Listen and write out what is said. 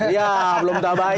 iya belum tabayun